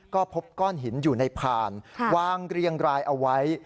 ก็พบก้อนหินอยู่ในผ่านวางเรียงรายเอาไว้